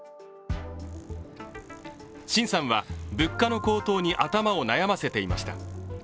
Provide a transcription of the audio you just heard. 辛さんは、物価の高騰に頭を悩ませていました。